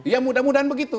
ya mudah mudahan begitu